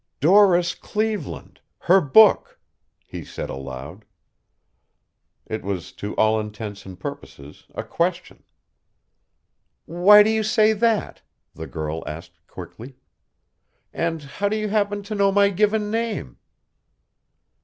"Doris Cleveland her book," he said aloud. It was to all intents and purposes a question. "Why do you say that?" the girl asked quickly. "And how do you happen to know my given name?"